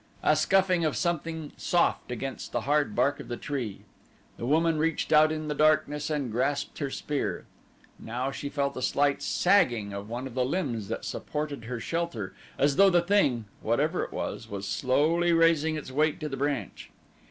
A scuffing of something soft against the hard bark of the tree. The woman reached out in the darkness and grasped her spear. Now she felt a slight sagging of one of the limbs that supported her shelter as though the thing, whatever it was, was slowly raising its weight to the branch.